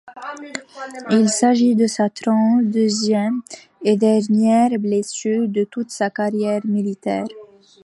Il s'agit de sa trente-deuxième et dernière blessure de toute sa carrière militaire.